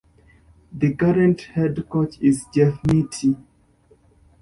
The current head coach is Jeff Mittie.